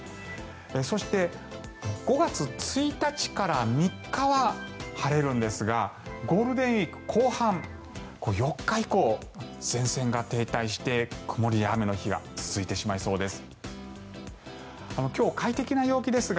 そして、５月１日から３日は晴れるんですがゴールデンウィーク後半４日以降前線が停滞して、曇りや雨の日が続いてしまいそうです。